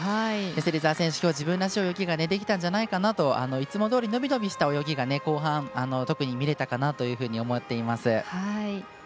芹澤選手、自分らしい泳ぎができたんじゃないかといつもどおり伸び伸びした動き後半特に、見れたかなと思っています。